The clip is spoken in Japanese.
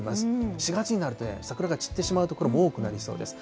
４月になるとね、桜が散ってしまう所も多くなりそうです。